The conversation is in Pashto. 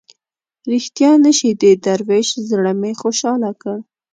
ریښتیا نه شي د دروېش زړه مې خوشاله کړ.